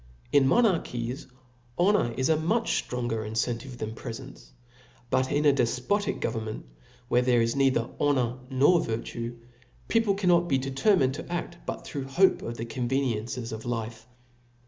In monarchies, honor is 3 much ftronger Jnccntive than prefents. But in a' defpotic government, where there is neither honor nor virtue, people cannot be determined to a& but through hope of the conveoiencies of life.